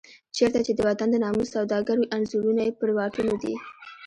چېرته چې د وطن د ناموس سوداګر وي انځورونه یې پر واټونو دي.